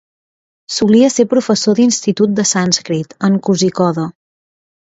Solia ser professor d'institut de sànscrit en Kozhikode.